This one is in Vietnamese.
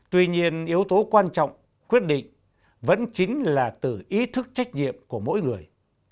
tuy nhiên yếu tố quan trọng quyết định vẫn chính là từ ý thức trách nhiệm của mỗi người